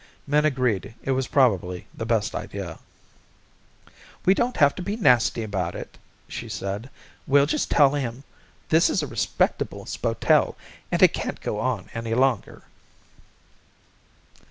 Min agreed it was probably the best idea. "We don't have to be nasty about it," she said. "We'll just tell him this is a respectable spotel and it can't go on any longer."